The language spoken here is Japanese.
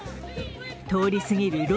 通り過ぎる